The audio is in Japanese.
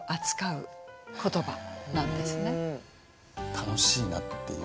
楽しいなっていう。